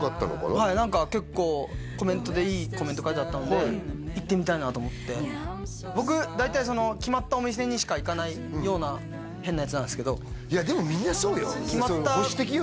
はい結構コメントでいいコメント書いてあったので行ってみたいなと思って僕大体決まったお店にしか行かないような変なやつなんですけどいやでもみんなそうよ保守的よ